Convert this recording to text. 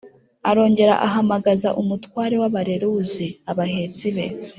arongera ahamagaza umutware w'abareruzi (abahetsi) be,